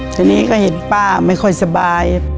ทีนี้ก็เห็นป้าไม่ค่อยสบาย